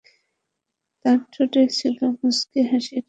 তার ঠোঁটে ছিল মুচকি হাসির রেখা।